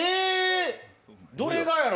どれがやろ？